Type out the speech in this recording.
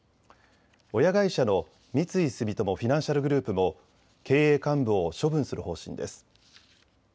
親会社の三井住友フィナンシャルグループも経営幹部を処分する方針です。